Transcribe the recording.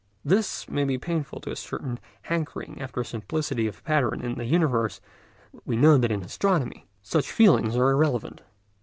This may be painful to a certain hankering after simplicity of pattern in the universe, but we know that in astronomy such feelings are irrelevant.